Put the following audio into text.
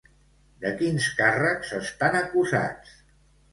De quins càrrecs estan acusats?